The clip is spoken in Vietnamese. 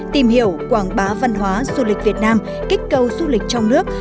tìm hiểu quảng bá văn hóa du lịch việt nam kích cầu du lịch trong nước